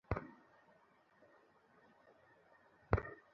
সম্প্রতি তিনি পাওনাদারের হাতে আটক হয়েছেন বলে পুলিশের কাছে খবর আছে।